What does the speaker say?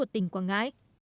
tỉnh quảng ngãi